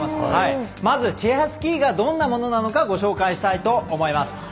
まずチェアスキーがどんなものなのかご紹介したいと思います。